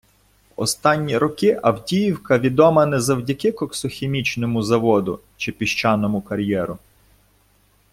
В останні роки Авдіївка відома не завдяки коксохімічному заводу чи піщаному кар’єру.